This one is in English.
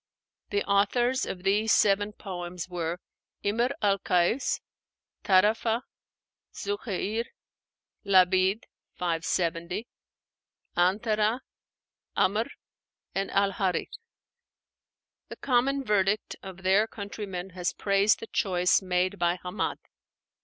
The authors of these seven poems were: Imr al Kais, Tárafa, Zuhéir, Labîd (570), 'Antara, 'Amr, and al Hárith. The common verdict of their countrymen has praised the choice made by Hammád.